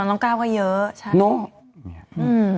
ของน้องก้าก็เยอะใช่เนอะอืม